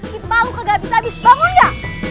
kipalu kagak abis abis bangun ya